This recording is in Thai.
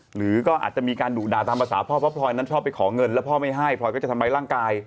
หรือก็อาจจะมีการดุด่าตามภาษาพ่อเพราะพลอยนั้นชอบไปขอเงินแล้วพ่อไม่ให้พลอยก็จะทำร้ายร่างกาย